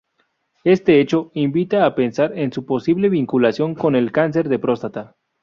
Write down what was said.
Este hecho invita a pensar en su posible vinculación con el cáncer de próstata.